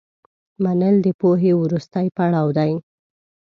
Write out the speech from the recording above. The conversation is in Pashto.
منل د پوهې وروستی پړاو دی.